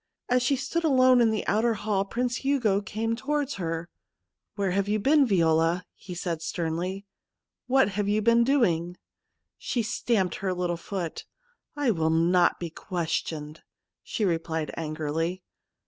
As she stood alone in the outer hall Prince Hugo came towards her. ' Where have you been, Viola ?' 51 D 2 THE MOON SLAVE he said sternly. ' What have you been doing ?' She stamped her Httle foot. ' I will not be questioned/ she replied angrily.